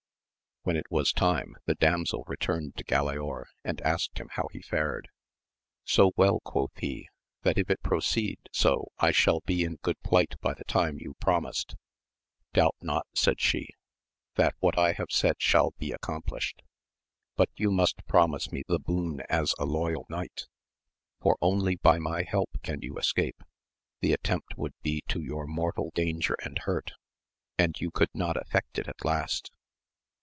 When it was time the damsel returned to Galaor, and asked him how he fared ? So well, quoth he, that if it proceed so I shall be in good plight by the time you promised. Doubt not, said she, that what I have said shall be accomplished. But you must pro mise me the boon as a loyal knight, for only by my help can you escape ; the attempt would be to your mortal danger and hurt, and you could not effect it at last.